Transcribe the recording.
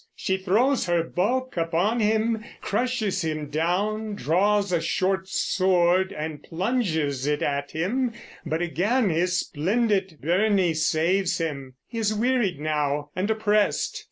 She throws her bulk upon him, crushes him down, draws a short sword and plunges it at him; but again his splendid byrnie saves him. He is wearied now, and oppressed.